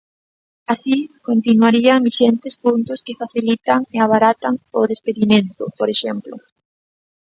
Así, continuarían vixentes puntos que facilitan e abaratan o despedimento, por exemplo.